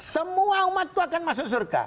semua umat itu akan masuk surga